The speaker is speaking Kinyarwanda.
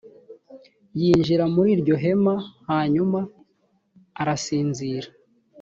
yinjira muri iryo hema hanyuma arasinzira